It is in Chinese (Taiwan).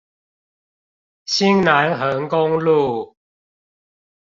新南橫公路